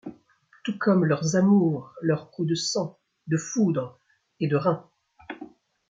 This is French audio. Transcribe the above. Tout comme leurs amours, leurs coups de sang, de foudre et de rein. ..